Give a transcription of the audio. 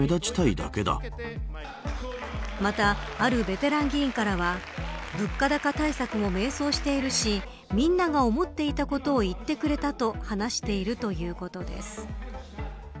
また、あるベテラン議員からは物価高対策も迷走しているしみんなが思っていたことを言ってくれたと話しているということです。